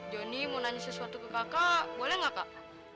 jonny mau nanya sesuatu ke kakak boleh gak kak